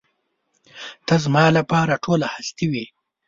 ته زما لپاره ټوله هستي وې.